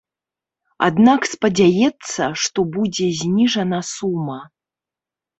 Аднак спадзяецца, што будзе зніжана сума.